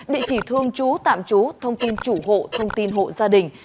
địa chỉ thương chú tạm chú thông tin chủ hộ thông tin hộ gia đình